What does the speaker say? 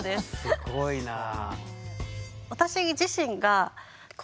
すごいなあ。